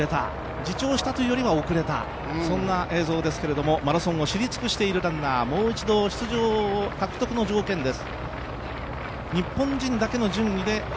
自重したというよりは遅れたというそんな映像ですけどマラソンを知り尽くしているランナー、もう一度出場権獲得の条件です。